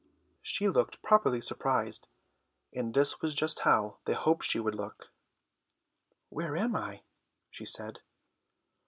She looked properly surprised, and this was just how they had hoped she would look. "Where am I?" she said.